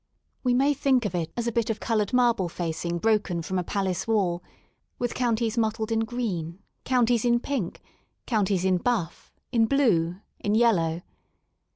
We may think of it as a bit of coloured marble facing broken from a palace wall, with counties mottled in green, counties in pink, counties in buflf, in blue, in yellow.